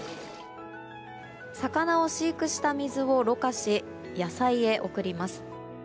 魚を飼育した水をろ過し野菜へ送ります。